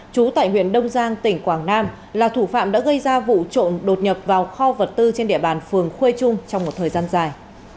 trú tại huyện đông giang tỉnh quảng nam là thủ phạm đã gây ra vụ trộm đột nhập vào kho vật tư trên địa bàn phường khuê trung trong một thời gian dài